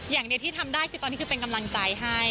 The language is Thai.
อย่างเดียวที่ทำได้คือตอนนี้คือเป็นกำลังใจให้